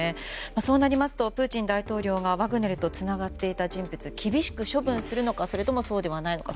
そうなりますとプーチン大統領がワグネルとつながっていた人物を厳しく処分するのかそれともそうではないのか。